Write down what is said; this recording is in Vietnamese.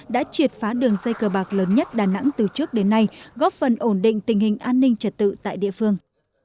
đã triệt phá đường dây cờ bạc lớn nhất đà nẵng từ trước đến nay góp phần ổn định tình hình an ninh trật tự tại địa phương